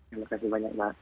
terima kasih banyak mas